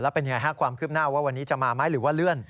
เป็นยังไงฮะความคืบหน้าว่าวันนี้จะมาไหมหรือว่าเลื่อน